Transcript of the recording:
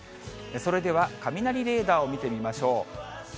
それでは雷レーダーを見てみましょう。